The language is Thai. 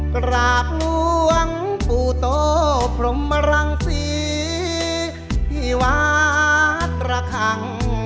กราบหลวงปู่โตพรมรังศรีที่วัดระคัง